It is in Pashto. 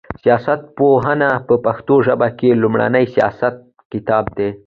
سياست پوهنه په پښتو ژبه کي لومړنی سياسي کتاب دی